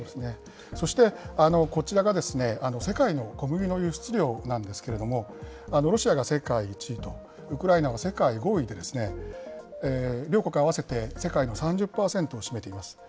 そして、こちらが世界の小麦の輸出量なんですけれども、ロシアが世界１位と、ウクライナは世界５位で、両国合わせて世界の３０％を占めています。